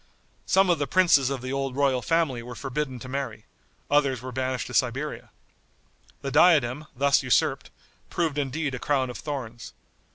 Some of the princes of the old royal family were forbidden to marry; others were banished to Siberia. The diadem, thus usurped, proved indeed a crown of thorns.